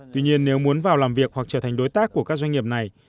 tuy nhiên nếu muốn vào làm việc hoặc trở thành đối tác của các doanh nghiệp này